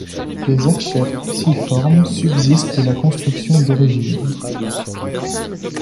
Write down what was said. Des archères cruciformes subsistent de la construction d’origine.